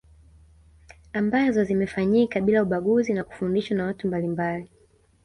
Ambazo zimefanyika bila ubaguzi na kufundishwa na watu mbalimbali